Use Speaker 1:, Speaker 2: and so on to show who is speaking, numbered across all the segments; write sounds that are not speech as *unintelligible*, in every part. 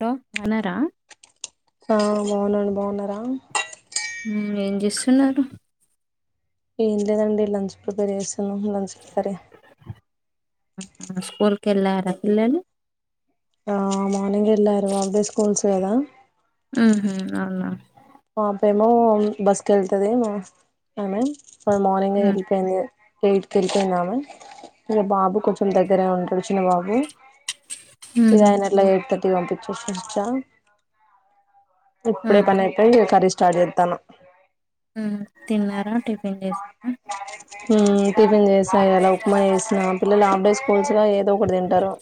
Speaker 1: హ అనరా
Speaker 2: బావున్నారా
Speaker 1: ఏం చేస్తున్నారు
Speaker 2: ఎందోనండి లంచ్ ప్రిపేర్ చేసి లంచ ప్రిపేర్
Speaker 1: స్కూల్ కి వెళ్ళారా పిల్లలు
Speaker 2: ఆ మార్నింగ్ వెళ్ళారు అదే స్కూల్స్ కదా
Speaker 1: ఉహూ అలా
Speaker 2: పాపేమో బస్కి వెళ్తుది ఆమె మ మార్నింగ్
Speaker 1: మ్మ్
Speaker 2: వెళ్ళిపోయింది బయటికి వెళ్తున్నాం ఇంక బాబు కొంచెం దగ్గర ఉంటడు చిన్న బాబు ఇక
Speaker 1: ఊహూ
Speaker 2: ఆయనెట్ల ఎయిట్ తర్టీ పంపించొచ్చా ఇప్పుడే
Speaker 1: ఆహా
Speaker 2: పని అయితే కర్రీ స్టార్ట్ చేస్తాను
Speaker 1: హ్మ్మ్ తిన్నార టిఫిన్ చేసారా
Speaker 2: టిఫిన్ చేసాము ఇయ్యాల ఉప్మా చేసినా పిల్లలు ఆ స్కూల్స్ ఏదో ఒకటి తింటారు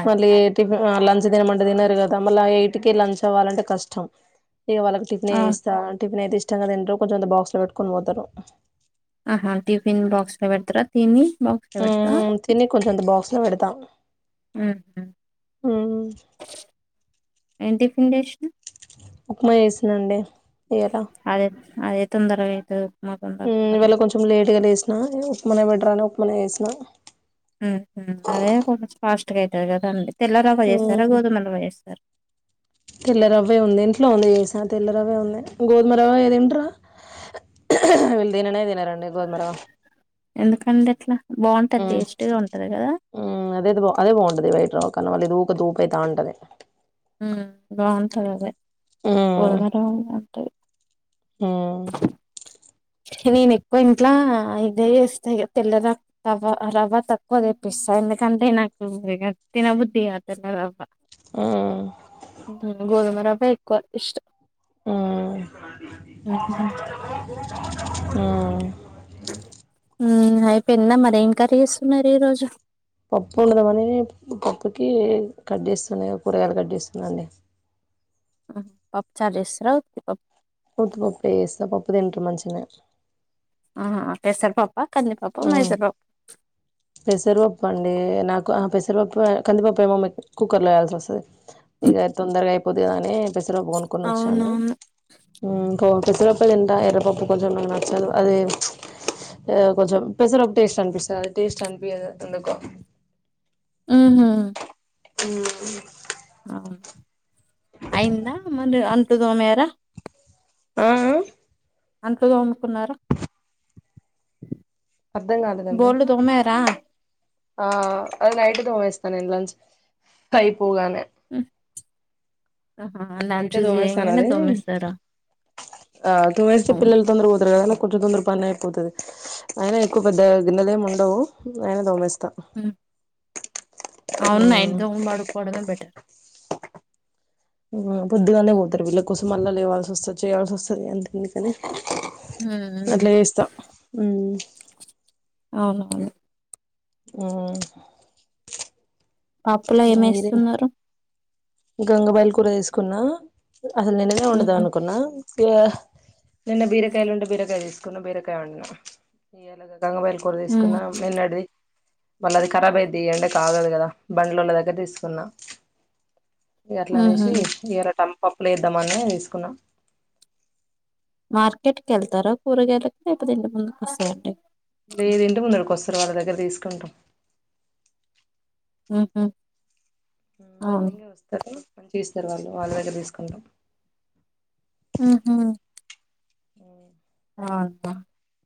Speaker 1: అదే
Speaker 2: దాంట్లో *unintelligible* లంచ్ తినమంటే తినర్ కదా మళ్ళీ ఎయిట్కి లంచ్ అవ్వాలంటే కష్టం ఇక వాళ్ళకి టిఫిన్
Speaker 1: ఆ
Speaker 2: ఇస్తా టిఫిన్ అయితే ఇష్టం గా తింటారు కొంచం బాక్స్ లో పెట్టుకొని పోతారు
Speaker 1: ఆహా టిఫిన్ బాక్స్ పెడతారా తిని బాక్స్ లో పెడతారా
Speaker 2: తిని కొంచం అంత బాక్స్ లో పెడతాం
Speaker 1: ఊహూ
Speaker 2: హ్మ్మ్
Speaker 1: ఎం టిఫిన్ తెచ్చి
Speaker 2: ఉప్మా చేసినండీ
Speaker 1: అదే అదే తొందరగయితది
Speaker 2: ఊ ఇవాళ కొంచం లేటుగా లేసినా ఉప్మా నే బెటరని ఉప్మా నే చేసిన
Speaker 1: ఉ హు అదే కొంచం ఫాస్టుగా అయితది కదండీ తెల్ల రవ్వ చేస్తర గోధుమల రవ్వ చేస్తర
Speaker 2: తెల్లరవ్వే ఉంది ఇంట్లో ఉంది చేసా తెల్లరవ్వే ఉంది గోధుమ రవ్వ తింటరా వీళ్ళు తిననే తినరండీ గోధమరవ్వ
Speaker 1: ఎందుకండీ అట్ల బాగుంటది
Speaker 2: ఉమ్
Speaker 1: టేస్టీగా ఉంటది గదా
Speaker 2: ఉమ్ అదే అదే బాగుంటది బయట రవ్వ కన్న మళ్ల ఇది ఊక దూప అయితాంటది
Speaker 1: ఉ బాగుంటది అదే గోదుమరవ్వ బాగుంటది
Speaker 2: ఊ
Speaker 1: నేను ఎక్కువ ఇంట్లా ఇదే చేస్తా ఇగ తెల్లర రవ్వ రవ్వ తక్కువ తెప్పిస్తా స ఎందు కంటే నాకూ తినబుద్ధి కాదు తెల్లరవ్వ
Speaker 2: ఉమ్
Speaker 1: గోదుమరువ్వే ఎక్కువ ఇష్టం
Speaker 2: ఊ ఊ
Speaker 1: ఊ అయిపోయింద మరి ఏం కర్రీ చేస్తున్నరు ఈ రోజు
Speaker 2: పప్పొండుదమనీ పప్పుకీ కట్ చేస్తున్నా కూరగాయలు కట్ చేస్తున్నా అండీ
Speaker 1: పప్పుచార్ చేస్తార ఉత్తి పప్పు
Speaker 2: ఉత్తి పప్పే చేస్త పపుదింటరు మంచినే
Speaker 1: ఆహా పెసర్ పప్పా కందిపప్పా మైసూర్ పప్
Speaker 2: పెసర్పప్పు అండీ నాకు ఆ పెసర్పప్పు కందిపప్పు ఏమో మీ కుక్కర్ లో వేయాల్సి వస్తుంది ఇగ తొందరగా అయిపోద్ది గదా అనీ పెసరపప్పు గొనుక్కొని వచ్చానూ
Speaker 1: అవునవును
Speaker 2: ఊ పిసర్పప్పేదింటా ఎర్రపప్పు కొంచం నాకు నచ్చదు అదే ఎదో కొంచం పెసర్పప్పు టేస్ట్ అనిపిస్తది అది టేస్ట్ అనిపీయదు ఎందుకో
Speaker 1: ఉమ్ హు
Speaker 2: ఊ
Speaker 1: అవును అయిందా ముందు అంట్లు తోమారా
Speaker 2: ఆఆ
Speaker 1: అంట్లు తోముకున్నార
Speaker 2: అర్ధం కాలేదండీ ఆ అది నైట్ తోమేస్ అ నేన్ లంచ్ అయిపోగానే
Speaker 1: ఉ ఆహా లంచ్
Speaker 2: నైటే తోమేస్తాను
Speaker 1: చేయంగనే
Speaker 2: అది
Speaker 1: తోమేస్తారా
Speaker 2: ఆ తోమేస్తే పిల్లలు
Speaker 1: అవును
Speaker 2: తొందర పోతరు గదా కొంచం తొందర పనైపోతది ఐనా ఎక్కువ పెద్దగ గిన్నెలేం ఉండవూ ఐనా దోమేస్ త్త
Speaker 1: అవును నైట్ తోమి పడుకోవడమే బెటర్
Speaker 2: పొద్దుగానే పోతరు వీళ్ళ కోసం మల్ల లేవాల్సి వస్తది చేయాల్సి వస్తది ఎందు అందుకనే
Speaker 1: హ్మ్. హ్మ్.
Speaker 2: అట్ల చేస్త ఊ
Speaker 1: అవునువును
Speaker 2: ఉమ్
Speaker 1: పప్పులో ఏమేస్తున్నరు
Speaker 2: గంగ వాయిల్ కూర తీసుకున్నా అసలు నిన్ననే వండుదం
Speaker 1: ఉహు
Speaker 2: అనుకున్నా బియా నిన్న బీరకాయలు ఉంటే బీరకాయ తీసుకున్నా బీరకాయ వండిన ఇయ్యాల గ గంగవాయిల్ కూర
Speaker 1: ఉమ్
Speaker 2: తీసుకున్నా నిన్నడిది వాళ్ళది ఖరాబ్ అయిది ఎండకు ఆగదు గ దా బండ్లోడ్ల దగ్గర తీసుకున్న ఇగ అట్ల
Speaker 1: ఉహు
Speaker 2: అనేసీ ఎర టంపప్పుల ఎద్దామని తీసుకున్న
Speaker 1: మార్కెట్ కి వెళ్తారా కూరగాయలలకు లేపోతే ఇంటి ముందుకు వస్తాయండీ
Speaker 2: లేదు ఇంటి ముందటికి వస్తరు వాళ్ళ దగ్గర తీసుకుంటం
Speaker 1: ఉమ్ హు
Speaker 2: మార్నింగే వస్తారు మంచిగా ఇస్తారు వాళ్ళు వాళ్ళ దగ్గర తీసుకుంటం
Speaker 1: ఉమ్ హు
Speaker 2: ఆహ్
Speaker 1: *inaudible*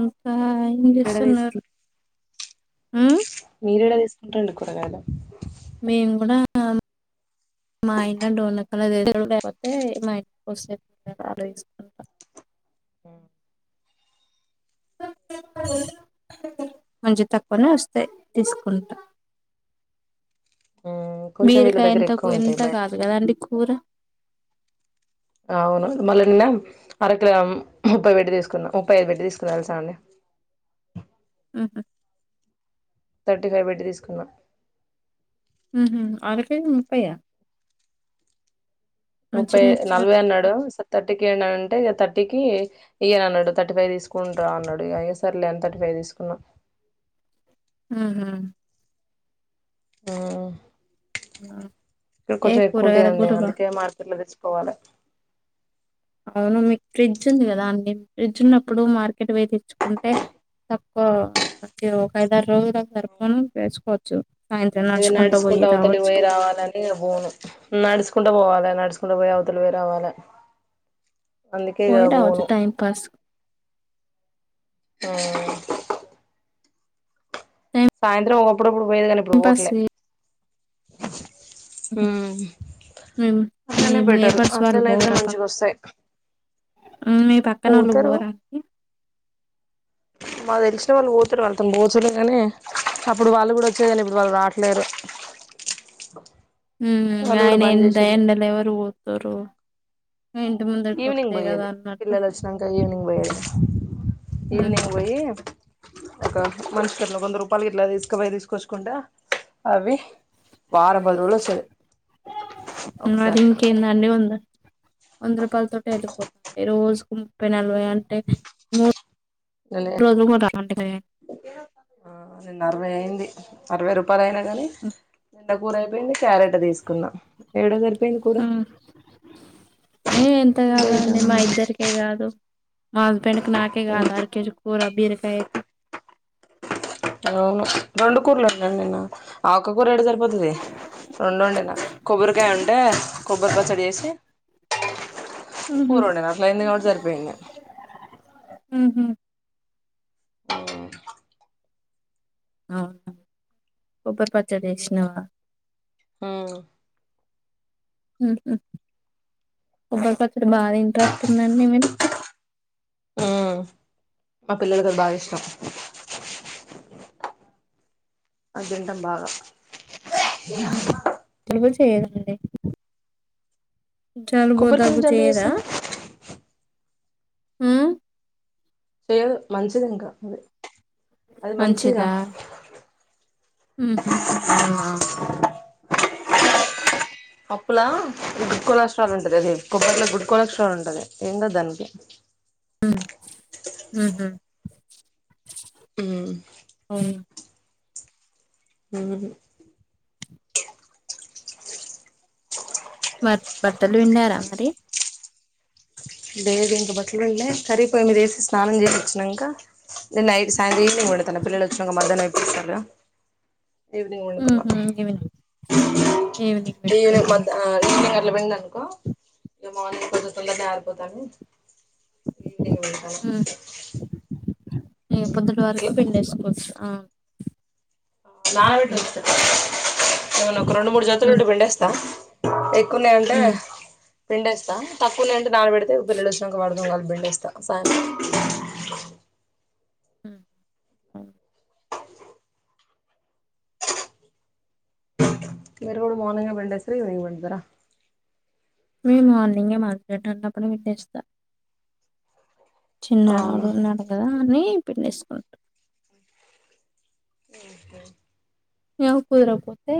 Speaker 1: ఇంకా
Speaker 2: మీరేడ
Speaker 1: ఏంచేస్తున్నారు
Speaker 2: తీసుకు
Speaker 1: ఆ
Speaker 2: మీరు ఏడ తీసుకుంటరండి కూరగాయలు
Speaker 1: మేము కూడా ఆమ్ మా ఆయన డోర్నకల్లో *unintelligible* లేకపోతే మా అక్క వస్సే కూరగాయలు తీసుకుంటా
Speaker 2: హ్మ్
Speaker 1: *inaudible* మంచి తక్కువనే వస్తాయి తీసుకుంటా
Speaker 2: కొంచెం వీళ్ళ
Speaker 1: బీరకాయ
Speaker 2: దగ్గర
Speaker 1: ఎంతకు
Speaker 2: ఎక్కువ ఉంటాయి
Speaker 1: ఎంత
Speaker 2: బయట
Speaker 1: కాదు కదండి కూర
Speaker 2: అవును మళ్ళీ నిన్న అరకిలా ముప్పై పెట్టి తీసుకున్నా ముప్పైఐదు పెట్టి తీసుకున్న తెలుసా అండి.
Speaker 1: మ్మ్ హ్
Speaker 2: థర్టీఫైవ్ పెట్టి తీసుకున్నా
Speaker 1: మ్మ్ హు అరకేజి ముప్పైయా
Speaker 2: ముప్పై
Speaker 1: మంచినే ఇచ్చారు
Speaker 2: నలభై అన్నాడు సరే థర్టీకియ్యండి అనం టే థర్టీకి ఇయ్యనన్నడు థర్టీఫైవ్ తీసుకుంటా అన్నాడు ఇగ సర్లే అని థర్టీఫైవ్ తీసుకున్నా.
Speaker 1: మ్మ్ హుం
Speaker 2: ఆ ఇక్కడ
Speaker 1: ఏ
Speaker 2: కొంచెం
Speaker 1: కూరగాయలకు
Speaker 2: ఎక్కువుంటయండి
Speaker 1: కూడా
Speaker 2: అందుకే మార్కెట్ లో తెచ్చుకోవాలె
Speaker 1: అవును మీకు ఫ్రిడ్జ్ ఉంది కదా అండి ఫ్రిడ్జ్ ఉన్నప్పుడు మార్కెట్ వోయి తెచ్చుకుంటే తక్కువ అంటే ఒక ఐదారు రోజులకు సరిపోను తెచ్చుకో
Speaker 2: ఇది నడుచుకుంట అవుతలికి వోయిరావాలని ఇగ పోను నడుచుకుంట వోవాలని నడుచుకుంట వోయి అవతలికి వోయి రావాల అందుకే ఇగ
Speaker 1: పోయి రావచ్చు
Speaker 2: వోను
Speaker 1: టైం పాస్
Speaker 2: ఆ
Speaker 1: టైం
Speaker 2: సాయంత్రం అప్పుడప్పుడు పోయేది గాని ఇప్పుడు
Speaker 1: పాస్
Speaker 2: పోవట్లే
Speaker 1: హుహు.
Speaker 2: హుమ్
Speaker 1: మీ మీ
Speaker 2: అలానే బెటరు
Speaker 1: నేబర్స్ వాళ్ళు
Speaker 2: అట్లన్నైతేనే
Speaker 1: పోరా పక్క
Speaker 2: మంచిగొస్సయి
Speaker 1: మీ పక్కనోళ్ళు పోరా అండి
Speaker 2: మాకు తెలిసిన వాళ్ళు పోతారు వాళ్ళతోని పోవచ్చులే కానీ అప్పుడు వాళ్ళు కూడా వచ్చేది కానీ ఇప్పుడు వాళ్ళు రాట్లేరు
Speaker 1: హుమ్
Speaker 2: వాళ్ళు కూడా
Speaker 1: ఆయిన
Speaker 2: బంద్
Speaker 1: ఎంత
Speaker 2: చేసిళ్ళు
Speaker 1: ఎండల ఎవరు పోతురు
Speaker 2: ఈవినింగ్ పోయేది పిల్లలు వచ్చినంక ఈవినింగ్ పోయేది
Speaker 1: హ్మ్.
Speaker 2: ఈవినింగ్ పొయ్యి ఇక మనిషికట్ల వంద రూపాయలు గట్లా తీసుకపోయి తీసుకొచ్చుకుంట అవి వారం పది రోజులొస్తది
Speaker 1: మరి
Speaker 2: ఒకసారి
Speaker 1: ఇంకేందండి ఉంది వంద రూపాయల తోటి ఎల్లిపోత్ రోజుకు ముప్పై నలభై అంటే మూడు
Speaker 2: లే
Speaker 1: రోజులు కూడా రావంట కదా
Speaker 2: ఆ నిన్న అరవై అయింది అరవై రూపాయలు అయిన కానీ *unintelligible* కూర అయిపోయింది క్యారెట్ తీసుకున్న ఏడ సరిపోయింది కూర
Speaker 1: ఏ ఎంత కాదండి మా ఇద్దరికే కాదు నా హస్బెండ్కు నాకే కాదు అరకేజి కూర బీరకాయైతే
Speaker 2: అవును రెండుకూర్లు వద్దండీ నాకు ఆక్ ఒక్కకూరేట్ట సరిపోతది రెండొండిన కొబ్బరికాయ ఉంటే కొబ్బరి పచ్చడి చేేసి కూర వండిన అట్లా వండిన కాబట్టి సరిపోయింది
Speaker 1: ఊహు
Speaker 2: అవ్వ
Speaker 1: అవ్ కొబ్బరి పచ్చడి చేసినావ
Speaker 2: అవునూ
Speaker 1: ఊహు కొబ్బరి పచ్చడి బాగా ఇంట్రక్ట్ ఉందండి మీరు
Speaker 2: ఉమ్ మా పిల్లలకి అది బాగా ఇష్టం అది తింటం బాగా
Speaker 1: చేదండి జలుబు
Speaker 2: కొబ్బరికాయ
Speaker 1: దగ్గు
Speaker 2: జలుబు
Speaker 1: చేయదా
Speaker 2: చేస్తాను
Speaker 1: ఉ
Speaker 2: చేయదు మంచిది ఇంకా అదే
Speaker 1: మంచిదా ఊ హు అవునా
Speaker 2: పప్పులా గుడ్ కొలాస్ట్రాల్ ఉంటది అది కొబ్బరిలో గుడ్ కొలాస్ట్రాల్ ఉంటది ఏంటదు దానికి
Speaker 1: అ ఊ హ
Speaker 2: ఉ
Speaker 1: ఉ
Speaker 2: ఉ హ
Speaker 1: వ బట్టలు పిండరా మరి
Speaker 2: లేేది ఇంక బట్టలు పిండి కర్రీ పోయి మీదేసి స్నానం చేసి వచ్చినాక నే నైట్ స్నానం చేయలేదు తన పిల్లలు వచ్చిన మధ్యాహ్నం అయిపోతాందా ఈవినింగ్ ఈవినింగ్
Speaker 1: ఈవినింగ్ పెడతారా
Speaker 2: బట్టలు పిండివనుకో ఇ మార్నింగ్ తొందరనే ఆరిపోతండి ఈవినింగ్
Speaker 1: హ్మ్ పొద్దుటి వరకు
Speaker 2: అట్లా
Speaker 1: పిండేసుకోవచ్చు
Speaker 2: నానబెట్టిన
Speaker 1: హ్మ్
Speaker 2: ఉంచుతారా ఏమన ఒక రెండు మూడు జతలు ఉండి పిం డేస్తా ఎక్కువన్నాయ అంటే
Speaker 1: హ్మ్
Speaker 2: పిండేస్తా తక్కువనే అంటే నాన పెడితే పిల్లలు వాటితో కలిపి పిండేస్తా సాయంత్రం ఫ్యాన్ సౌండ్
Speaker 1: ఉ ఉ
Speaker 2: మీరు కూడా మార్నింగ్ పిండస్తారా ఈవినింగ్ పిండేస్తారు
Speaker 1: మే మార్నింగే హస్బెండ్ అన్నప్పుడు పిండేస్తా చిన్నాడు
Speaker 2: అవునా
Speaker 1: ఉన్నాడు కదా అని పిండేసుకుంటా
Speaker 2: ఉ హు
Speaker 1: ఈ గ కుదరపోతే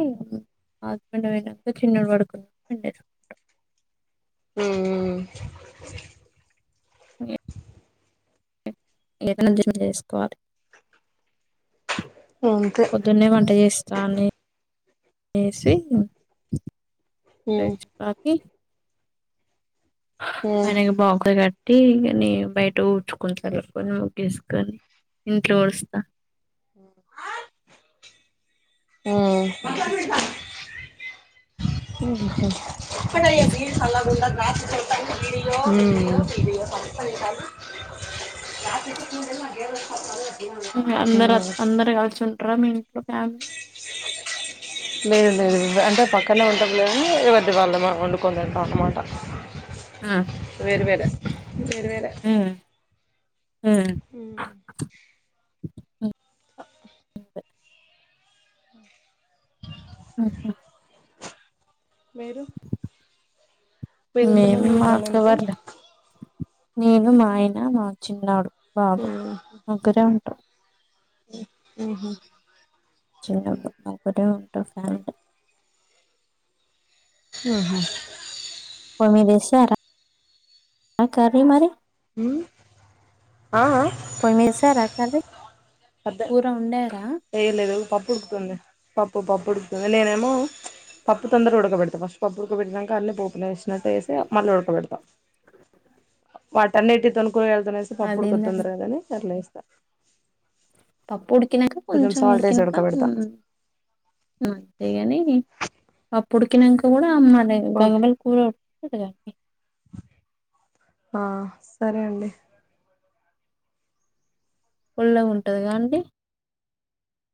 Speaker 1: హస్బెండ్ పోయినాక చిన్నోడు పడుకున్నా పిండేసుకుంటా
Speaker 2: ఉ
Speaker 1: ఏడైనా జడ చేసుకోవాలి
Speaker 2: అంతే
Speaker 1: పొద్దున్నే వంట చేస్తా అనేసి అ
Speaker 2: ఉమ్
Speaker 1: బకె
Speaker 2: ఉమ్
Speaker 1: అనకి బాగు క అ కాని బయట ఊడ్చుకుని ముగ్గు వేసుకొని ఇంట్లో ఉడుస్తా
Speaker 2: ఉ
Speaker 1: వస్తాం
Speaker 2: ఉ
Speaker 1: పని
Speaker 2: ఒక్కటైనా
Speaker 1: చేసుకుంటా
Speaker 2: బీరు సల్లగా ఉండదా కంపల్సరీ వీడియో ఊ కంపల్సరీ వీడియో రాత్రి
Speaker 1: అందరు అందరు కలిసి ఉంటారా మీ ఇంట్లో ఫ్యామిలీ
Speaker 2: లేదు లేదు అంటే పక్కనే ఉంటా కానీ ఎవరిది వాళ్ళ వండుకొని తింటాం అన్నమాట
Speaker 1: ఆ!
Speaker 2: వేరు వేర వేరు వేర
Speaker 1: హ్మ్. హ్మ్.
Speaker 2: ఉ
Speaker 1: బే ఉ హా
Speaker 2: మీరు మీరెంత
Speaker 1: మేము
Speaker 2: మంది ఉంటారండి
Speaker 1: అక్క
Speaker 2: ఇంట్లో
Speaker 1: వాళ్లు నేను మా ఆయన మా చిన్నాడు బాబు ముగ్గరే ఉంటాం
Speaker 2: ఉ హా
Speaker 1: చిన్నబ్బ ఒకటే ఉంటా పాంట్
Speaker 2: ఆహా
Speaker 1: మీరు చేశారా కర్రీ మరి
Speaker 2: హ్మ్మ్ ఆ ఆ
Speaker 1: పొయ్యి మీద ఏసారా కర్రీ కూర వండరా
Speaker 2: చేయలేదు పప్పు ఉడుకుతుంది. పప్పు పప్పు ఉడుకుతుంది నేనేమో పప్పు తొందరగా ఉడకబెడతా. ఫస్ట్ పప్పు ఉడకబెట్టినాక, అన్ని పోపున వేసినట్టుయేసి మళ్ళీ ఉడక పెడతా. వాటన్నిటితోను వెళ్తనేస్తే పప్పు ఉడకదు
Speaker 1: అదేందండి
Speaker 2: తొందరగా అనీ అట్లా చేస్తా
Speaker 1: పప్పు డు ఉడికినక కొంచెం ఉడికినక
Speaker 2: ఉడకబెడతా
Speaker 1: హమ్ అంతేగాని పుడికినంక కూడా అమ్ నాడ
Speaker 2: ఓకే
Speaker 1: గంగమలి కూరడు కా
Speaker 2: ఆ సరే అండి
Speaker 1: పుల్లగ ఉంటది కాండి